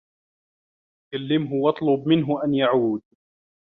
كلّمه و اطلب منه أن يعود.